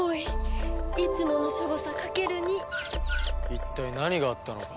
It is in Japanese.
一体何があったのか。